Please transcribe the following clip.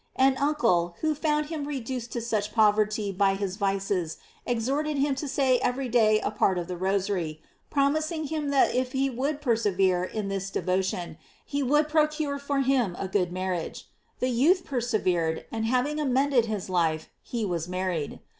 An uncle, who found him reduced to such poverty by his vices, exhorted him to say every day a part of the Rosary, prom ising him that if he would persevere in this de votion he would procure for him a good mar riage. The youth persevered, and having amend ed his life, he was married.